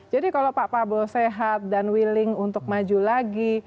jadi kalau pak pablo sehat dan willing untuk maju lagi